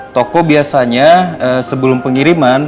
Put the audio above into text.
toko biasanya sebelum pengiriman